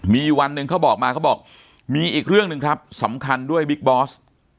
มีวันหนึ่งเขาบอกมาเขาบอกมีอีกเรื่องหนึ่งครับสำคัญด้วยบิ๊กบอส